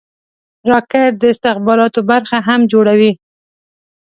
راکټ د استخباراتو برخه هم جوړوي